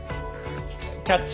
「キャッチ！